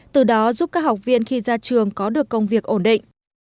từ đó giúp các học viên khi ra trường có được công việc ổn định